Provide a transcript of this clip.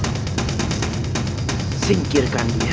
hai singkirkan dia